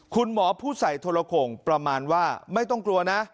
คุณหมอพูดใส่โทรโข่งประมาณว่าไม่ต้องกลัวนะ